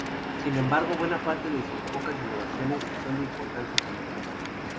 Sin embargo, buena parte de sus pocas innovaciones son de importancia fundamental.